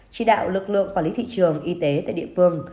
chỉ đạo lực lượng quản lý thị trường y tế tại địa phương